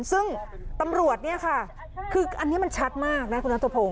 ซึ่งตำรวจเนี่ยค่ะคืออันนี้มันชัดมากนะคุณนัทพงศ